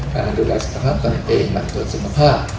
การดูแลสุทธิภาพตัวเองบานตัวสมภาพ